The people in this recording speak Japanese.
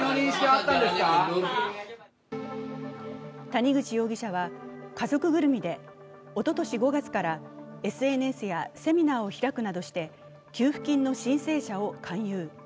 谷口容疑者は家族ぐるみでおととし５月からＳＮＳやセミナーを開くなどして給付金の申請者を勧誘。